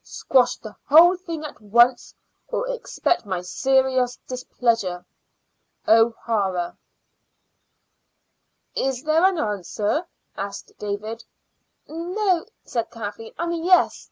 Squash the whole thing at once, or expect my serious displeasure. O'HARA." "Is there an answer?" asked David. "No," said Kathleen. "I mean yes.